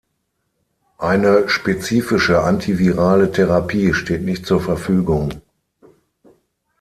Eine spezifische antivirale Therapie steht nicht zur Verfügung.